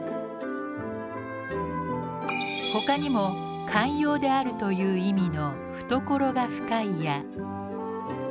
他にも寛容であるという意味の「懐が深い」や。